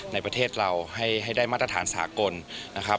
ในประเทศเราให้ได้มาตรฐานสากลนะครับ